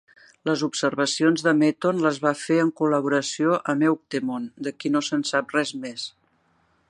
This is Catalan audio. Les observacions de Meton les va fer en col·laboració amb Euctemon, de qui no se'n sap res més.